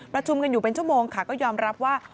ประชุมกันอยู่เป็นชั่วโมงค่ะก็ยอมรับว่า